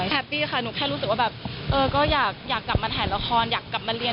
แฮปปี้ค่ะหนูแค่รู้สึกว่าแบบเออก็อยากกลับมาถ่ายละครอยากกลับมาเรียน